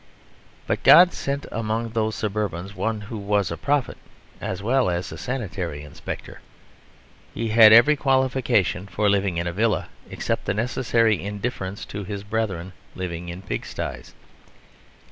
But God sent among those suburbans one who was a prophet as well as a sanitary inspector. He had every qualification for living in a villa except the necessary indifference to his brethren living in pigstyes.